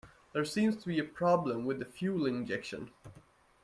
There seems to be a problem with the fuel injection.